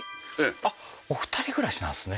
あっお２人暮らしなんですね